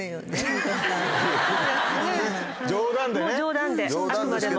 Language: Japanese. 冗談であくまでも。